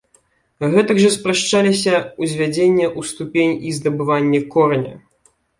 Гэтак жа спрашчаліся ўзвядзенне ў ступень і здабыванне кораня.